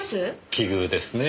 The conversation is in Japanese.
奇遇ですねえ